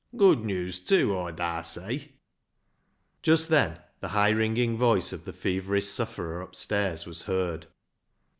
Good news tew. Aw darr say !" Just then the high ringing voice of the feverish sufferer upstairs was heard.